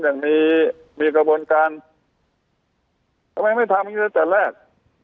อย่างมีมีกระบวนการทำไมไม่ทำอย่างนี้ตั้งแต่แรก